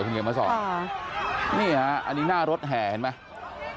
คุณเฮียมเมื่อสองอ่านี่ฮะอันนี้หน้ารถแห่เห็นไหม